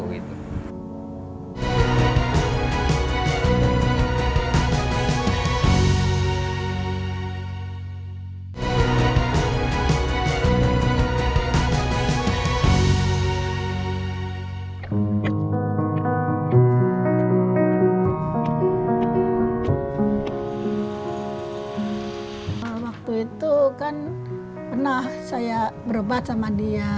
waktu itu kan pernah saya berobat sama dia